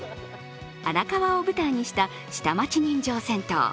荒川を舞台にした下町人情銭湯。